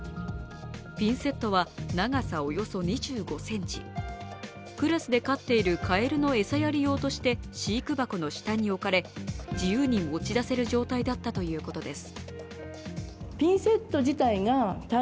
ピンセットは長さおよそ２５ｃｍクラスで飼っているかえるの餌やり用として飼育箱の下に置かれ、自由に持ち出せる状態だったということです。